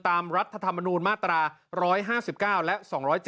รัฐธรรมนูญมาตรา๑๕๙และ๒๗๒